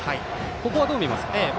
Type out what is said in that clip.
ここはどう見ますか？